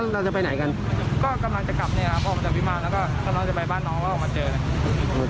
ถึงรับมาเจอใครข้ยังไง